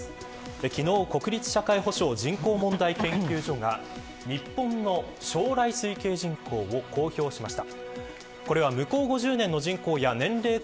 昨日、国立社会保障人口問題研究所が日本の将来推計人口を公表しました。